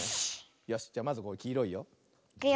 よしじゃまずきいろいよ。いくよ。